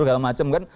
dan segala macam kan